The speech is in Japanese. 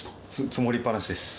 積もりっぱなしです。